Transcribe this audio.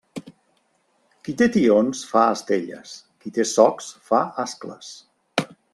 Qui té tions fa estelles; qui té socs fa ascles.